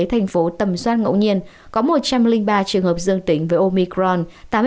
thành phố tầm xoan ngẫu nhiên có một trăm linh ba trường hợp dương tính với omicron tám mươi sáu